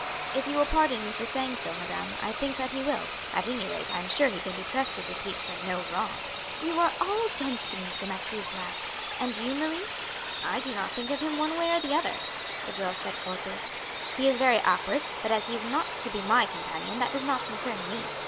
"If you will pardon me for saying so, madam, I think that he will at any rate I am sure he can be trusted to teach them no wrong." "You are all against me," the marquise laughed. "And you, Marie?" "I did not think of him one way or the other," the girl said coldly. "He is very awkward; but as he is not to be my companion that does not concern me.